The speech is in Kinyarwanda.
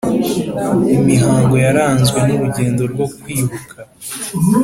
Imihango yaranzwe n urugendo rwo Kwibuka